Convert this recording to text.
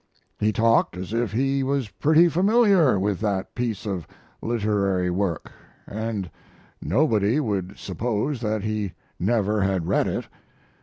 He talked as if he was pretty familiar with that piece of literary work, and nobody would suppose that he never had read it.